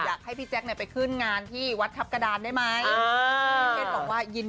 อยากให้พี่แจ๊คเนี่ยไปขึ้นงานที่วัดทัพกระดานได้ไหม